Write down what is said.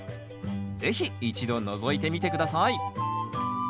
是非一度のぞいてみて下さい。